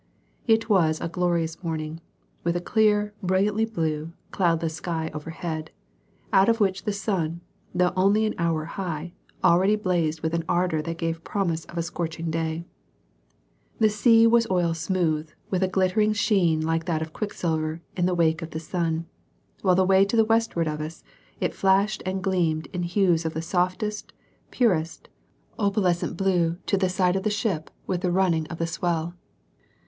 It was a glorious morning, with a clear, brilliantly blue, cloudless sky overhead, out of which the sun, though only an hour high, already blazed with an ardour that gave promise of a scorching day; the sea was oil smooth, with a glittering sheen like that of quicksilver in the wake of the sun, while away to the westward of us it flashed and gleamed in hues of the softest, purest, opalescent blue to the side of the ship with the running of the swell.